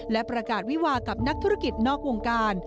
และประกาศวิวากับนักธุรกิจนอกวงการ